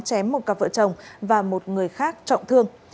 chém một cặp vợ chồng và một người khác trọng thương